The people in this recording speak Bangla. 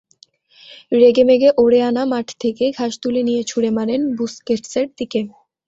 রেগেমেগে ওরেয়ানা মাঠ থেকে ঘাস তুলে নিয়ে ছুড়ে মারেন বুসকেটসের দিকে।